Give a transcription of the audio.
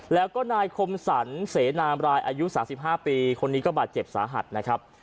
แล้วก็นายคมสรรเสนามรายอายุ๓๕ปีคนนี้ก็บาดเจ็บสาหัสนะครับ